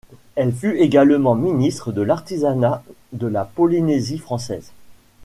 Elle fut également ministre de l’Artisanat de la Polynésie française.